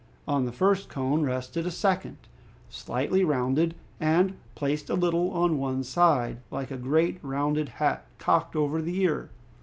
On the first cone rested a second, slightly rounded, and placed a little on one side, like a great round hat cocked over the ear.